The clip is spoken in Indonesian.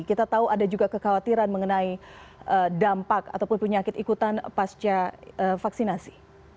kita tahu ada juga kekhawatiran mengenai dampak ataupun penyakit ikutan pasca vaksinasi